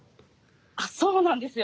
あそうなんですよ。